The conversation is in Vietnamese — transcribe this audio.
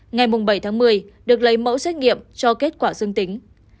ngày bảy tháng một mươi được lấy mẫu xét nghiệm cho kết quả dương tính